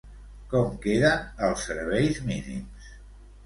Com queden els serveis mínims?